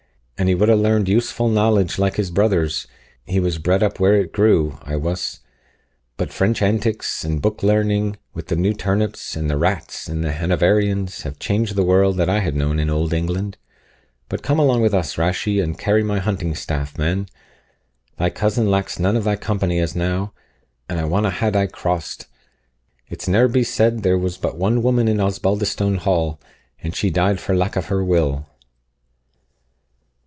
An he would ha' learned useful knowledge like his brothers, he was bred up where it grew, I wuss; but French antics, and book learning, with the new turnips, and the rats, and the Hanoverians, ha' changed the world that I ha' known in Old England But come along with us, Rashie, and carry my hunting staff, man; thy cousin lacks none of thy company as now, and I wonna ha' Die crossed It's ne'er be said there was but one woman in Osbaldistone Hall, and she died for lack of her will."